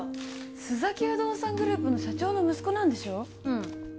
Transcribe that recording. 須崎不動産グループの社長の息子なんでしょうん